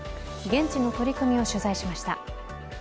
現地の取り組みを取材しました。